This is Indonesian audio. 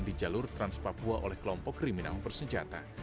di jalur trans papua oleh kelompok kriminal bersenjata